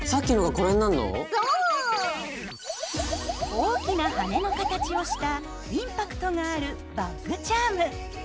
大きな羽根の形をしたインパクトがあるバッグチャーム。